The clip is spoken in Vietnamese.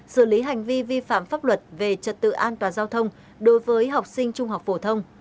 xử lý hành vi vi phạm pháp luật về trật tự an toàn giao thông đối với học sinh trung học phổ thông